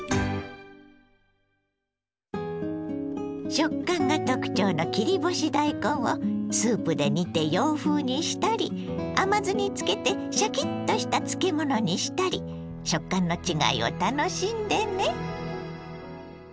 食感が特徴の切り干し大根をスープで煮て洋風にしたり甘酢に漬けてシャキッとした漬物にしたり食感の違いを楽しんでね。